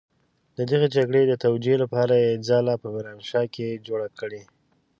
د دغې جګړې د توجيې لپاره يې ځاله په ميرانشاه کې جوړه کړې.